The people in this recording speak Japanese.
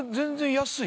安い！